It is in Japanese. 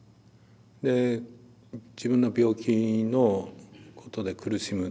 で自分の病気のことで苦しむ。